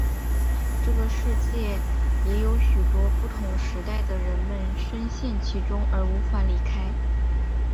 这个世界也有许多不同时代的人们身陷其中而无法离开。